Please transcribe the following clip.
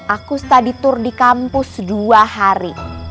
aku study tour di kampus dua hari